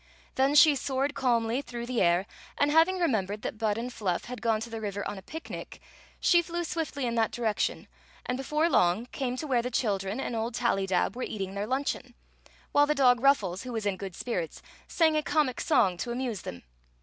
Then she soared calmly through the air. and having remembered that Bud and Fluff had gone to the river on a picnic, she flew swiftly in that directicm and before long came to where the children and old Tal lydab were eating their luncheon, while the dog Ruf fles, who was in good spirits, sang a comic song to amuse them.